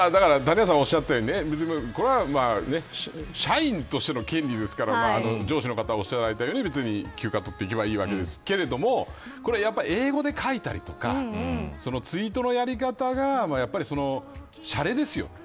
谷原さんがおっしゃったように社員としての権利ですから上司の方がおっしゃられたように休暇を取ればいいわけですが英語で書いたりとかツイートのやり方がしゃれですよ。